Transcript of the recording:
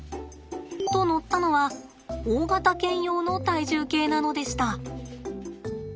と乗ったのは大型犬用の体重計なのでした。